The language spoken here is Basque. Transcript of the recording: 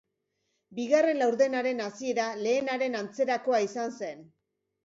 Bigarren laurdenaren hasiera lehenaren antzerakoa izan zen.